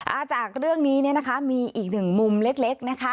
อ่าจากเรื่องนี้นี่นะคะมีอีกหนึ่งมุมเล็กนะคะ